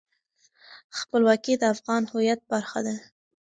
خپلواکي د افغان هویت برخه ده.